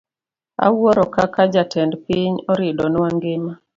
Awuoro kaka jatend piny oridonwa ngima.